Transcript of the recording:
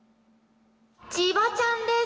千葉ちゃんです。